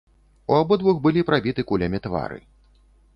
У абодвух былі прабіты кулямі твары.